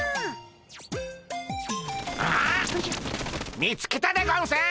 見つけたでゴンス！